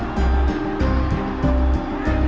di kota alam